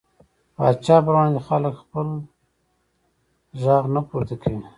پاچا پر وړاندې خلک خپل غږ نه پورته کوي .